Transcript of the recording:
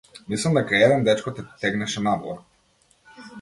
Мислам дека еден дечко те тегнеше надвор.